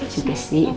ya cukup sih